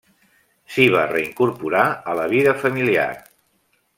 S’hi va reincorporar a la vida familiar.